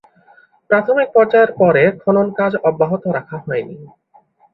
প্রাথমিক পর্যায়ের পরে খনন কাজ অব্যাহত রাখা হয় নি।